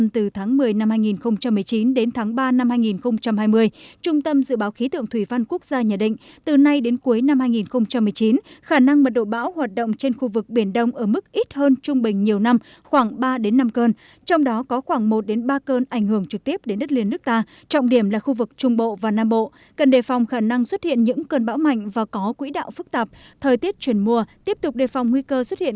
trung tâm dự báo khí tượng thủy văn quốc gia từ nay đến cuối năm hai nghìn một mươi chín khả năng mật độ bão hoạt động trên khu vực biển đông ở mức ít hơn trung bình nhiều năm khoảng ba đến năm cơn trong đó có khoảng một đến ba cơn ảnh hưởng trực tiếp đến đất liền nước ta trọng điểm là khu vực trung bộ và nam bộ cần đề phòng khả năng xuất hiện những cơn bão mạnh và có quỹ đạo phức tạp thời tiết chuyển mùa tiếp tục đề phòng nguy cơ xuất hiện